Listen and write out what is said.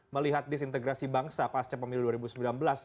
melihat disintegrasi bangsa pas cepat milik dua ribu sembilan belas